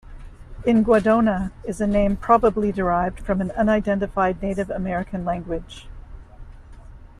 Inguadona is a name probably derived from an unidentified Native American language.